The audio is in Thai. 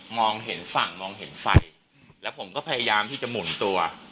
เห็นฝั่งมองเห็นไฟแล้วผมก็พยายามที่จะหมุนตัว